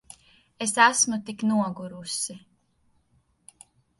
Es esmu tik nogurusi.